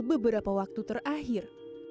beberapa waktu terakhir